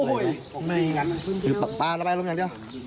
ไม่อย่างนั้นคือปั๊บป้าละไปลงอย่างเดียว